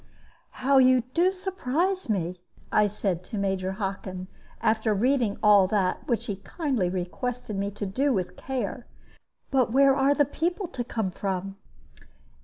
"How you do surprise me!" I said to Major Hockin, after reading all that, which he kindly requested me to do with care; "but where are the people to come from?"